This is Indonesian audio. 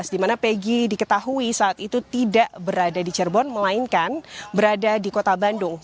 di mana peggy diketahui saat itu tidak berada di cirebon melainkan berada di kota bandung